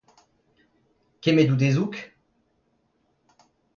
Kemmet out hezoug ?